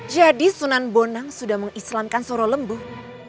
jadi sunan bonang sudah mengislamkan sorolembuh